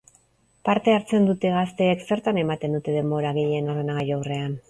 Parte hartzen duten gazteek, zertan ematen dute denbora gehien ordenagailu aurrean?